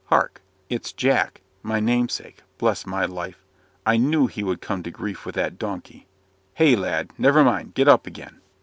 Hark!" "It's Jack, my namesake. Bless my life! I knew he would come to grief with that donkey. Hey, lad! never mind. Get up again."